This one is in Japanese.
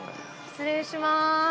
失礼します。